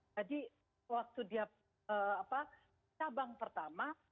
jadi waktu dia cabang pertama